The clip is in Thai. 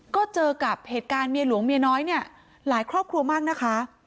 ก็เจอกับเหตุการณ์เมียหลวงเมียน้อยเนี่ยหลายครอบครัวมากนะคะ